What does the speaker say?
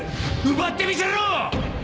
奪ってみせろ！